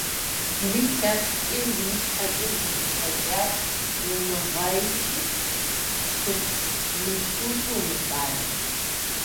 Уи лъэпкъкӀи уи щхьэкӀи укъызыхэкӀар умыгъэикӀэ, щытхъу мышукӀи умыцӀалэ.